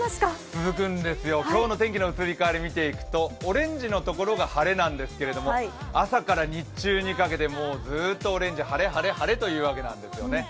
続くんですよ、今日の天気の移り変わり、見ていくとオレンジの所が晴れなんですけど、朝から日中にかけてずっとオレンジ晴れ、晴れ、晴れというわけなんですよね。